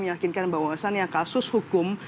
meyakinkan bahwasannya kasus hukum